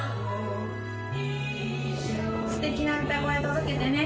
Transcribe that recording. ステキな歌声届けてね。